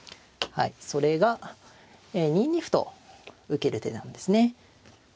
それが２二歩と受ける手なんですね。